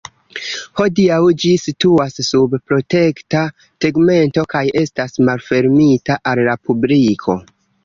Hodiaŭ ĝi situas sub protekta tegmento kaj estas malfermita al la publiko.